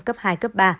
cấp hai cấp ba